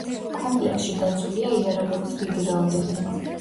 კომპლექსში დაცულია იარაღების დიდი რაოდენობა.